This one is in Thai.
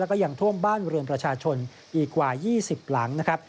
แล้วก็ยังท่วมบ้านเรือนประชาชนอีกกว่า๒๐หลังนะครับ